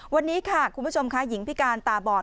วันนี้ค่ะคุณผู้ชมค่ะหญิงพิการตาบอด